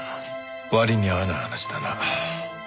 割に合わない話だな。